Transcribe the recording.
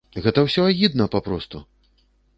Гэта ўсё агідна папросту!